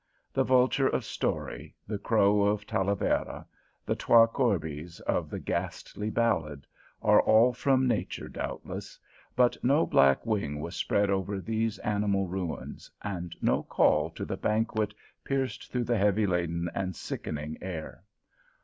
The vulture of story, the crow of Talavera, the "twa corbies" of the ghastly ballad, are all from Nature, doubtless; but no black wing was spread over these animal ruins, and no call to the banquet pierced through the heavy laden and sickening air.